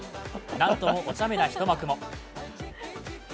なんともお茶目な一幕も。